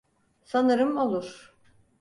Sanırım olur.